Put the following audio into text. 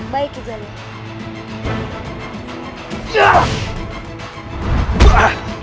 baik ya jalur